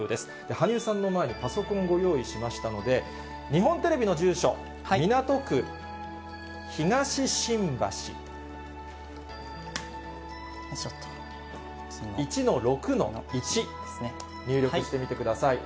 羽生さんの前にパソコンご用意しましたので、日本テレビの住所、港区東新橋１ー６ー１、入力してみてください。